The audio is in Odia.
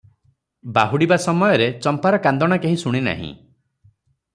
ବାହୁଡ଼ିବା ସମୟରେ ଚମ୍ପାର କାନ୍ଦଣା କେହି ଶୁଣିନାହିଁ ।